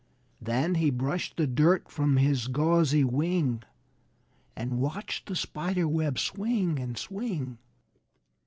Then he brushed the dirt from his gauzy wing And watched the spider web swing and swing.